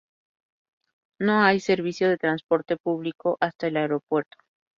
No hay servicio de transporte público hasta el aeropuerto.